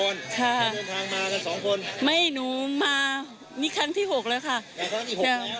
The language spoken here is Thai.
เดินทางมากันสองคนไม่หนูมานี่ครั้งที่หกแล้วค่ะครั้งที่หกแล้วเลย